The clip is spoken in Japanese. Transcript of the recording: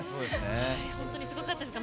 本当にすごかったです。